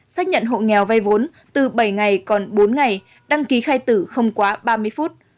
xác nhận hộ nghèo vai vốn từ bảy ngày còn bốn ngày đăng ký khai tử không quá ba mươi phút